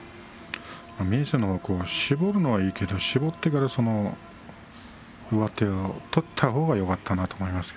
明生は絞るのはいいんだけれど絞ってから上手を取ったほうがよかったなと思います。